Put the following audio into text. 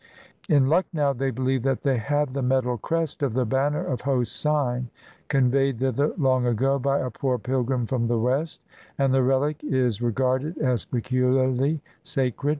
In Lucknow they believe that they have the metal crest of the banner of Hosein (conveyed thither long ago by a poor pilgrim from the West) , and the relic is regarded as pecuHarly sacred.